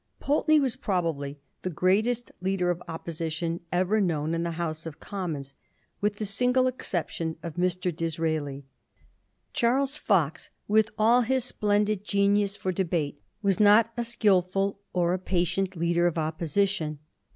Pulteney was pro bably the greatest leader of Opposition ever known in the House of Commons, with the single exception of Mr. Disraeli. Charles Fox, with all his splendid Digiti zed by Google 1728 'THE PATRIOTS/ 377 genius for debate, was not a skilful or a patient leader of Opposition.